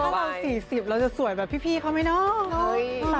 เพราะเรา๔๐เราจะสวยแบบพี่เขาไหมเนาะ